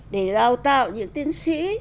để đào tạo những tiến sĩ